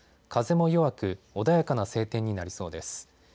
風も弱く穏やかな晴天になりそうです。